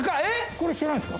これ知らないんですか？